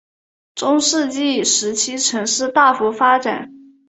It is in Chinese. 中世纪时期城市大幅发展。